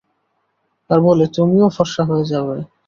আর বলে তুমিও ফর্সা হয়ে যাবে।